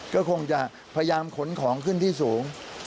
ก็คงจะพยายามขนของขึ้นที่สูง